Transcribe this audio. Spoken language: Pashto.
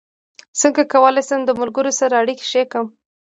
څنګه کولی شم د ملګرو سره اړیکې ښې کړم